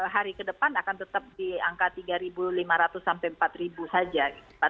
hari ke depan akan tetap di angka tiga lima ratus sampai empat saja